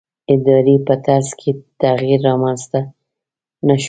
ادارې په طرز کې تغییر رامنځته نه شو.